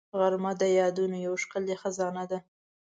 غرمه د یادونو یو ښکلې خزانه ده